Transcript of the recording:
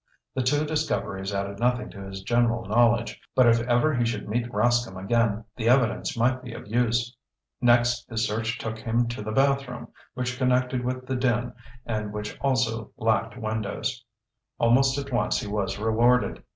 The two discoveries added nothing to his general knowledge, but if ever he should meet Rascomb again, the evidence might be of use. Next his search took him to the bathroom, which connected with the den and which also lacked windows. Almost at once he was rewarded.